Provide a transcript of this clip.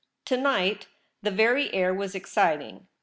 To night the very air was excit ing.